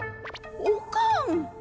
おかん。